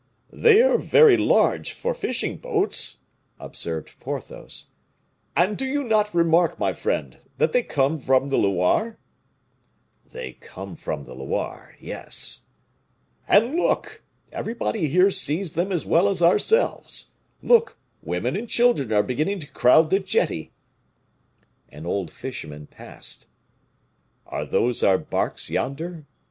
"They are very large for fishing boats," observed Porthos, "and do you not remark, my friend, that they come from the Loire?" "They come from the Loire yes " "And look! everybody here sees them as well as ourselves; look, women and children are beginning to crowd the jetty." An old fisherman passed. "Are those our barks, yonder?"